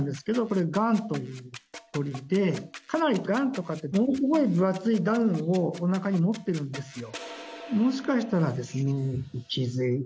かなりガンとかってものすごい分厚いダウンをおなかに持ってるんですよ。